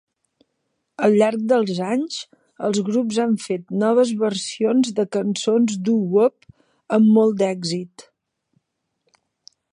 Al llarg dels anys, els grups han fet noves versions de cançons doo-wop amb molt d'èxit.